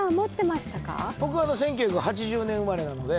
僕は１９８０年生まれなので。